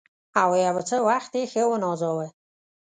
او یو څه وخت یې ښه ونازاوه.